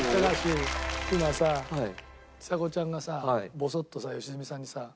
今さちさ子ちゃんがさボソッとさ良純さんにさ